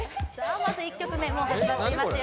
まず１曲目もう始まっていますよ